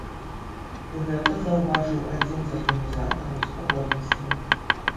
Гэта заўважыў адзін з арганізатараў спаборніцтваў.